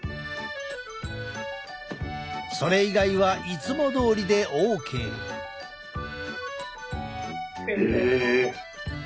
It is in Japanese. それ以外はいつもどおりでＯＫ。え！